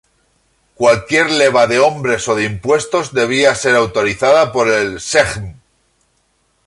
Cualquier leva de hombres o de impuestos debía ser autorizada por el "Sejm".